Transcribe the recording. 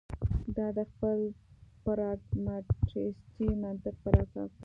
دا د خپل پراګماتیستي منطق پر اساس ده.